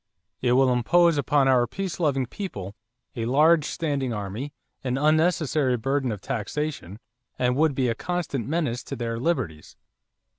It will impose upon our peace loving people a large standing army, an unnecessary burden of taxation, and would be a constant menace to their liberties."